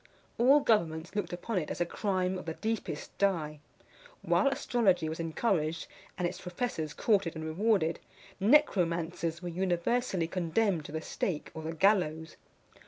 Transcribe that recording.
All governments looked upon it as a crime of the deepest dye. While astrology was encouraged, and its professors courted and rewarded, necromancers were universally condemned to the stake or the gallows.